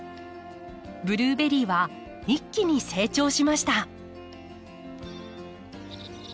ブルーベリーは一気に成長しました。